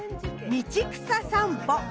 「道草さんぽ・春」。